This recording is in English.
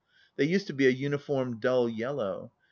They used to be a uniform dull yellow.